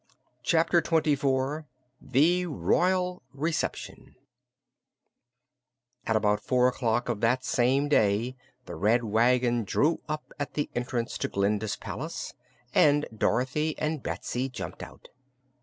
Chapter Twenty Four The Royal Reception At about four o'clock of that same day the Red Wagon drew up at the entrance to Glinda's palace and Dorothy and Betsy jumped out.